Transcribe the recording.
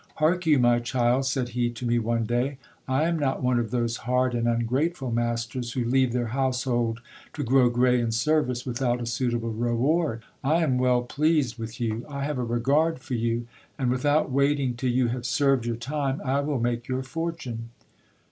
Hark you, my child, said he to me one*day, I am not one of those hard and ungrateful masters, who leave their household to grow grey in service without a suitable reward. I am well pleased with you, I have a regard for you, and without waiting till you have served your time, I will make your fortune.